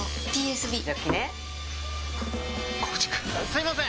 すいません！